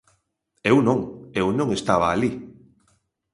Eu non, eu non estaba alí.